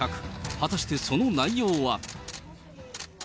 果たしてその内容は。